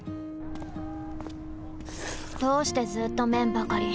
どうしてずーっと麺ばかり！